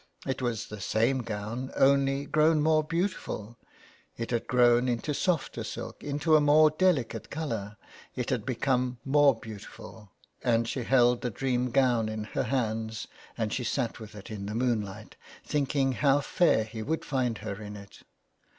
It was the same gown, only grown more beautiful. It had grown into softer silk, into a more delicate colour ; it had become more beautiful, and she held the dream gown in her hands and she sat with it in the moonlight, thinking how fair he would find her in it.